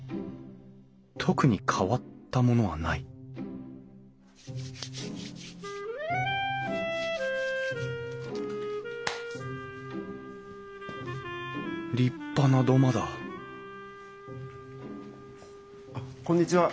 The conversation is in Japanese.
特に変わったものはない立派な土間だこんにちは。